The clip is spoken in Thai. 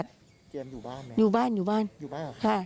เจมส์อยู่บ้านไหมครับอยู่บ้านอยู่บ้านค่ะ